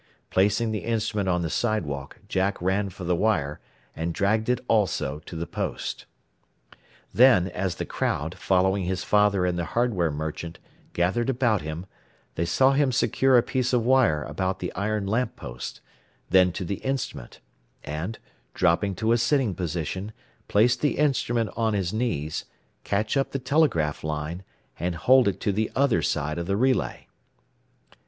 Placing the instrument on the sidewalk, Jack ran for the wire, and dragged it also to the post. Then, as the crowd, following his father and the hardware merchant, gathered about him, they saw him secure a piece of wire about the iron lamp post, then to the instrument; and, dropping to a sitting position, place the instrument on his knees, catch up the telegraph line, and hold it to the other side of the relay.